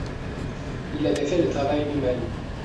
Il avait fait le travail lui-même.